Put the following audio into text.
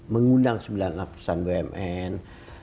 mengundang sembilan perusahaan bumn